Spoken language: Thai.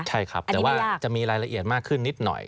ใช่ครับแต่ว่าจะมีรายละเอียดมากขึ้นนิดหน่อย